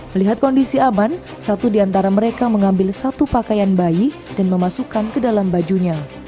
melihat kondisi aman satu di antara mereka mengambil satu pakaian bayi dan memasukkan ke dalam bajunya